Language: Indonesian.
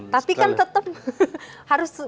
tapi kan tetap harus